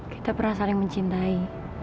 kita pernah saling mencintai